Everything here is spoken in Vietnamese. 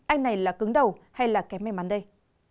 anh này là cứng đầu hay là kém may mắn đây